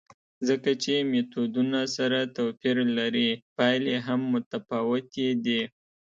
ځکه چې میتودونه سره توپیر لري، پایلې هم متفاوتې دي.